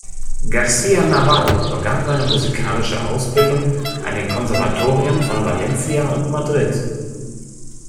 García Navarro begann seine musikalische Ausbildung an den Konservatorien von Valencia und Madrid.